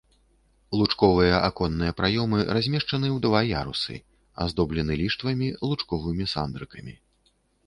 Лучковыя аконныя праёмы размешчаны ў два ярусы, аздоблены ліштвамі, лучковымі сандрыкамі.